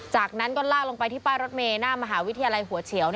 จากนั้นก็ลากลงไปที่ป้ายรถเมย์หน้ามหาวิทยาลัยหัวเฉียว